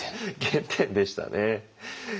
原点でしたね。